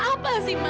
apa sih ma